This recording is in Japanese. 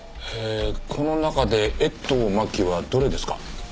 この中で江藤真紀はどれですか？